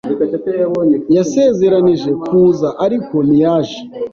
Yasezeranije kuza, ariko ntiyaje.